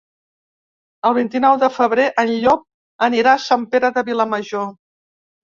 El vint-i-nou de febrer en Llop anirà a Sant Pere de Vilamajor.